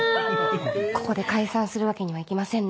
ここで解散するわけにはいきませんね。